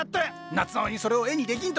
夏なのにそれを絵にできんとは。